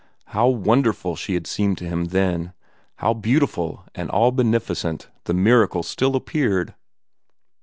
How wonderful she had seemed to him then! How beautiful and all beneficent the miracle still appeared!